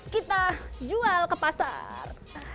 kita jual ke pasar